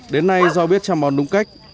đến nay do biết trăm bón đúng cách